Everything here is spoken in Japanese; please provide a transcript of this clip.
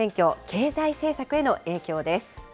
経済政策への影響です。